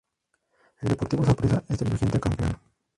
El Deportivo Saprissa es el vigente campeón.